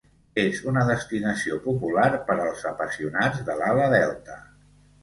És una destinació popular per als apassionats de l'ala delta.